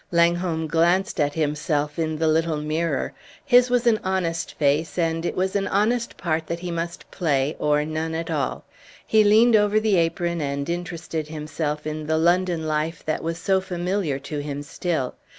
Langholm glanced at himself in the little mirror. His was an honest face, and it was an honest part that he must play, or none at all. He leaned over the apron and interested himself in the London life that was so familiar to him still.